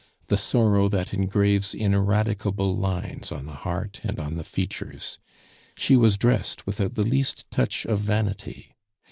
the sorrow that engraves ineradicable lines on the heart and on the features. She was dressed without the least touch of vanity.